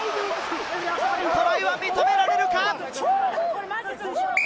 トライは認められるか？